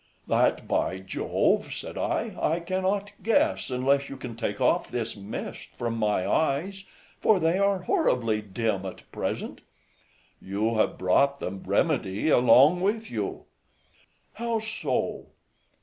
"That, by Jove," said I, "I cannot guess, unless you can take off this mist from my eyes, for they are horribly dim at present." "You have brought the remedy along with you." "How so?"